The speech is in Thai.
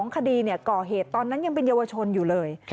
คดีก่อเหตุตอนนั้นยังเป็นเยาวชนอยู่เลย